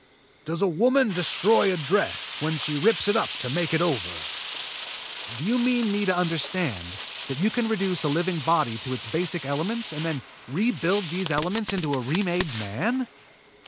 Does a woman destroy a dress when she rips it up to make it over?" "Do you mean me to understand that you can reduce a living body to its basic elements and then rebuild these elements into a remade man?"